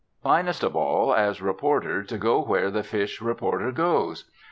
Finest of all, as reporter, to go where the fish reporter goes.